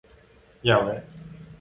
อย่าแวะ